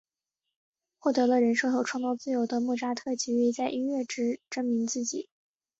获得了人生和创作自由的莫扎特急于在音乐之都证明自己。